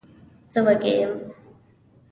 زه وږی یم.